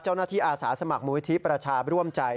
เจ้าหน้าที่อาสาสมัครมูลวิธีประชาร์ร่วมใจ